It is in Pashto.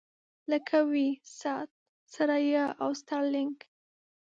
لکه وي-ساټ، ثریا او سټارلېنک.